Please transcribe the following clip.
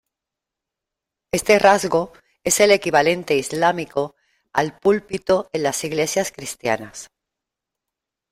Este rasgo es el equivalente islámico al púlpito en las iglesias cristianas.